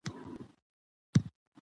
خو په ژوند کي یې نصیب دا یو کمال وو